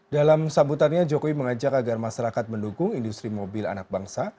dalam sambutannya jokowi mengajak agar masyarakat mendukung industri mobil anak bangsa